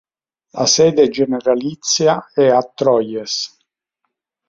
La sede generalizia è a Troyes.